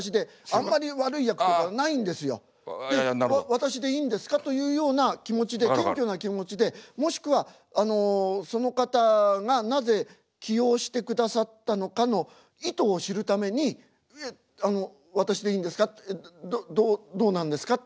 「私でいいんですか？」というような気持ちで謙虚な気持ちでもしくはその方がなぜ起用してくださったのかの意図を知るために「私でいいんですか？どうなんですか？」って